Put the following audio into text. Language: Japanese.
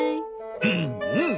うんうん。